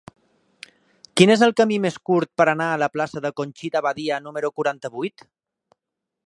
Quin és el camí més curt per anar a la plaça de Conxita Badia número quaranta-vuit?